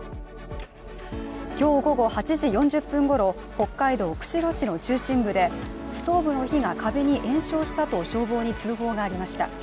今日午後８時４０分ごろ北海道釧路市の中心部で、ストーブの火が壁に延焼したと消防に通報がありました。